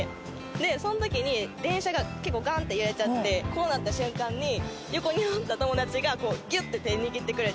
でその時に電車が結構ガンッて揺れちゃってこうなった瞬間に横におった友達がギュッて手握ってくれて。